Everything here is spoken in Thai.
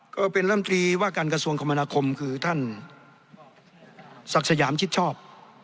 ก็เป็นลำตรีว่าการกระทรวงคมนาคมคือท่านศักดิ์สยามชิดชอบ